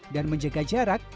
dan menjaga jarak